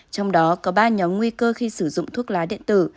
trong đó có ba nhóm nguy cơ khi sử dụng thuốc lá điện tử